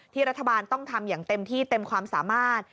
รัฐบาลต้องทำอย่างเต็มที่เต็มความสามารถ